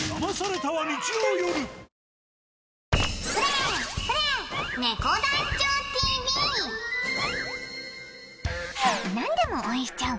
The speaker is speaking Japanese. ニトリ何でも応援しちゃう